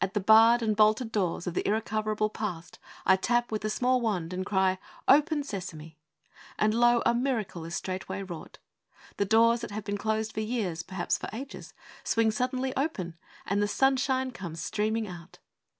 At the barred and bolted doors of the irrecoverable Past I tap with that small wand and cry, 'Open, Sesame!' And, lo, a miracle is straightway wrought! The doors that have been closed for years, perhaps for ages, swing suddenly open, and the sunshine comes streaming out!